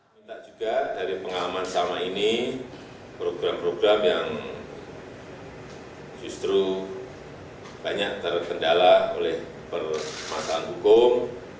minta juga dari pengalaman selama ini program program yang justru banyak terkendala oleh permasalahan hukum